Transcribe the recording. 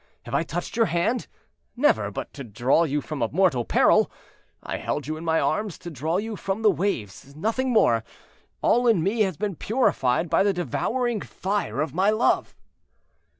Have I touched your hand? Never, but to draw you from a mortal peril. I held you in my arms to draw you from the waves—nothing more. All in me has been purified by the devouring fire of my love."